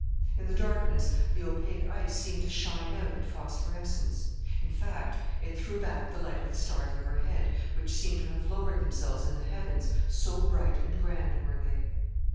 In the darkness the opaque ice seemed to shine out in phosphorescence; in fact, it threw back the light of the stars overhead, which seemed to have lowered themselves in the heavens so bright and grand were they.